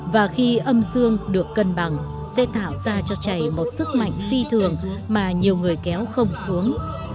và khi âm dương được cân bằng sẽ tạo ra cho chày một sức mạnh phi thường mà nhiều người kéo không xuống